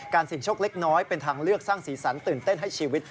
เสี่ยงโชคเล็กน้อยเป็นทางเลือกสร้างสีสันตื่นเต้นให้ชีวิต